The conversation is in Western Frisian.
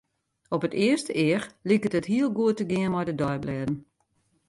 Op it earste each liket it hiel goed te gean mei de deiblêden.